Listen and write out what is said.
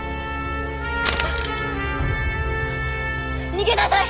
逃げなさい！